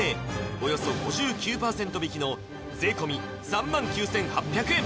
およそ５９％引きの税込３万９８００円